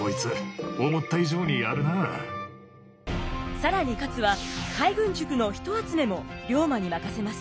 更に勝は海軍塾の人集めも龍馬に任せます。